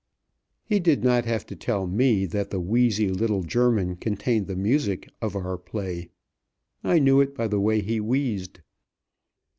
He did not have to tell me that the wheezy little German contained the music of our play. I knew it by the way he wheezed.